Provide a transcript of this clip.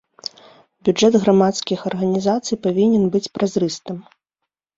Бюджэт грамадскіх арганізацый павінен быць празрыстым.